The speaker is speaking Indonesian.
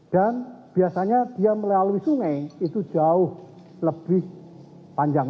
dan biasanya dia melewati sungai itu jauh lebih panjang